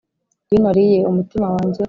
iyo nariye umutima wanjye.